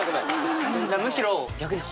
むしろ。